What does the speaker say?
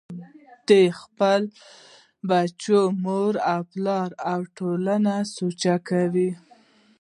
د خپلو بچو مور و پلار او ټولنې سوچ کوئ -